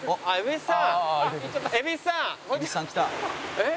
えっ？